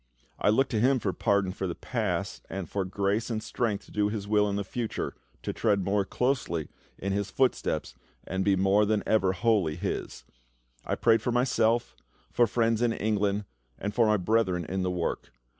I looked to Him for pardon for the past, and for grace and strength to do His will in the future, to tread more closely in His footsteps, and be more than ever wholly His. I prayed for myself, for friends in England, and for my brethren in the work.